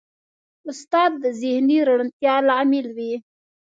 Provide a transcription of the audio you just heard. استاد د ذهني روڼتیا لامل وي.